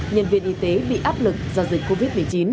nhân viên y tế bị áp lực do dịch covid một mươi chín